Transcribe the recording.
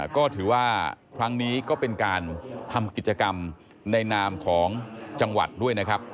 ก็ถือว่าครั้งนี้ก็เป็นการทำกิจกรรมในนามของจังหวัดด้วยนะครับ